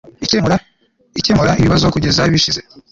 ikemura ibibazo kugeza bishize